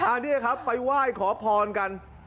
อ่านี่ครับไปว่ายขอพรกัน